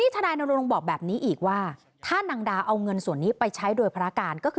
ทนายนรงค์บอกแบบนี้อีกว่าถ้านางดาเอาเงินส่วนนี้ไปใช้โดยภารการก็คือ